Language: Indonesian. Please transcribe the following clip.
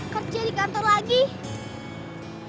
kerja di kantor lagi